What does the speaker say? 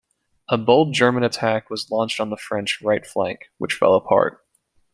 A bold German attack was launched on the French right flank, which fell apart.